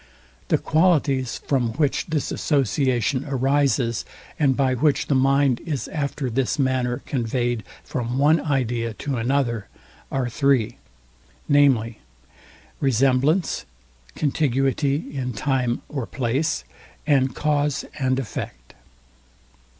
The qualities, from which this association arises, and by which the mind is after this manner conveyed from one idea to another, are three, viz. RESEMBLANCE, CONTIGUITY in time or place, and CAUSE and EFFECT.